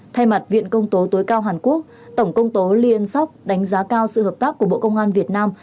thay mặt viện công tố tối cao hàn quốc tổng công tố lyon đánh giá cao sự hợp tác của bộ công an việt nam